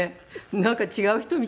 なんか違う人みたい。